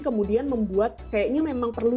kemudian membuat kayaknya memang perlu